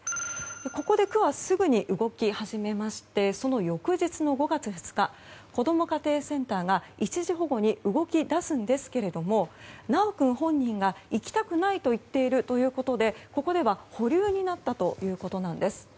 ここで区はすぐに動き始めましてその翌日の５月２日こども家庭センターが一時保護に動き出すんですが修君本人が行きたくないと言っているということでここでは保留になったということなんです。